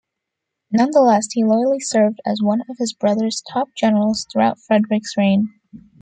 Nonetheless, he loyally served as one of his brother's top generals throughout Frederick's reign.